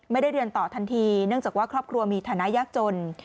ไม่ได้เรียนต่อทันทีเนื่องจากว่าครอบครัวมีฐานะยากจน